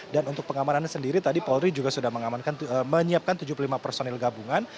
dan untuk pengamanannya sendiri tadi polri juga sudah mengamankan menyiapkan tujuh puluh lima personil gabungan